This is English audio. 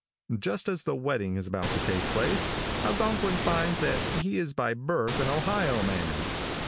Just as the wedding is about to take place, Algonquin finds that he is by birth an Ohio man.